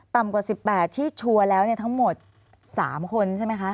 กว่า๑๘ที่ชัวร์แล้วทั้งหมด๓คนใช่ไหมคะ